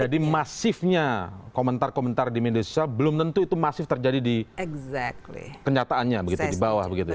jadi masifnya komentar komentar di media sosial belum tentu itu masih terjadi di kenyataannya di bawah gitu ya